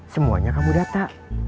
semuanya kamu data